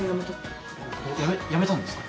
辞め辞めたんですか？